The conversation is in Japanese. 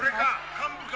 幹部か？